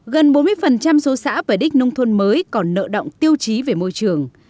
gần bốn mươi số xã về đích nông thôn mới còn nợ động tiêu chí về môi trường